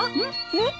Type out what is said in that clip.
えっ？